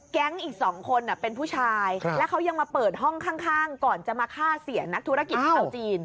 อีก๒คนเป็นผู้ชายแล้วเขายังมาเปิดห้องข้างก่อนจะมาฆ่าเสียนักธุรกิจชาวจีน